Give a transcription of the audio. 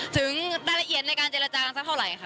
ถึงรายละเอียดในการเจรจากันสักเท่าไหร่ค่ะ